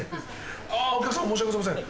あお客さま申し訳ございません。